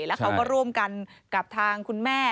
แล้วเขาก็ร่วมกันกับทางคุณแม่